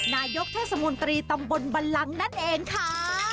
นายกเทศมนตรีตำบลบันลังนั่นเองค่ะ